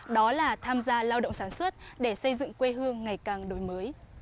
đó là tham gia lao động sản xuất để xây dựng quê hương ngày càng đổi mới